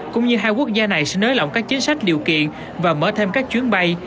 cũng như hai quốc gia này sẽ nới lỏng các chính sách điều kiện và mở thêm các chuyến bay